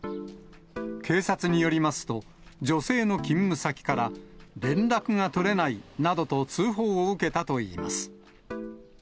警察によりますと、女性の勤務先から、連絡が取れないなどと通報を受けたといいます。